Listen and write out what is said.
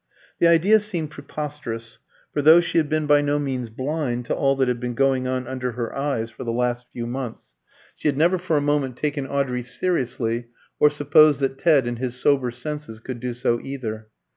The idea seemed preposterous; for though she had been by no means blind to all that had been going on under her eyes for the last few months, she had never for a moment taken Audrey seriously, or supposed that Ted in his sober senses could do so either.